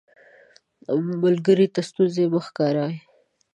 ملګری ته ستونزه مه ښکاري